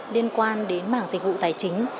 liên quan đến mảng dịch vụ tài chính